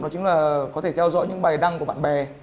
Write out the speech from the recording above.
đó chính là có thể theo dõi những bài đăng của bạn bè